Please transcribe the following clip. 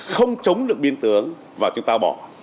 không chống được biên tướng và chúng ta bỏ